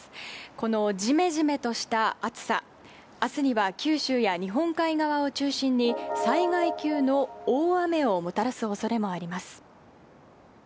このじめじめとした暑さ明日には九州や日本海側を中心に災害級の大雨をもたらす可能性もあります。